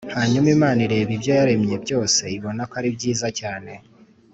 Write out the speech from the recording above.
hanyuma imana ireba ibyo yaremye byose ibona ko ari byiza cyane